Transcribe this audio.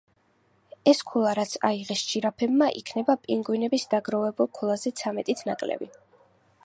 ეს ქულა რაც აიღეს ჟირაფებმა იქნება პინგვინების დაგროვებულ ქულაზე ცამეტით ნაკლები.